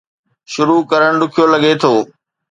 شروع ڪرڻ ڏکيو لڳي ٿو